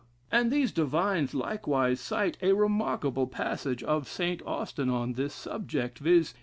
And these divines likewise cite a remarkable passage of St. Austin on this subject, viz.